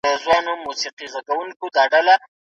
هغه ماشينونه چي زاړه سي، بايد بدل سي.